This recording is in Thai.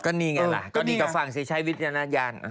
ก็นี่ไงล่ะก็ดีกว่าฟังสิใช้วิทย์อย่างนั้นยาน